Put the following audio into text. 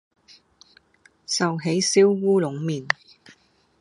壽喜燒烏龍麵